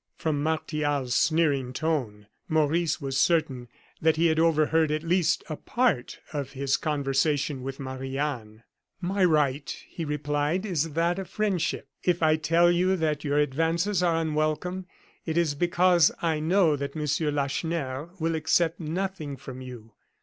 From Martial's sneering tone, Maurice was certain that he had overheard, at least a part of, his conversation with Marie Anne. "My right," he replied, "is that of friendship. If I tell you that your advances are unwelcome, it is because I know that Monsieur Lacheneur will accept nothing from you.